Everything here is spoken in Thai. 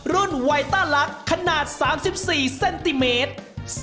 ไวต้าลักษณ์ขนาด๓๔เซนติเมตร